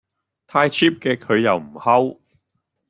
太 Cheap 嘅佢又唔吼